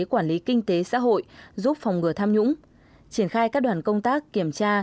quản lý kinh tế xã hội giúp phòng ngừa tham nhũng triển khai các đoàn công tác kiểm tra